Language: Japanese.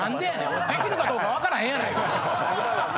俺できるかどうか分からへんやないか！